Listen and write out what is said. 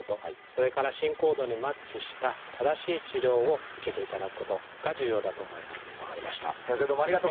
それから進行度にマッチした正しい治療を受けていただくことが重要だと思います。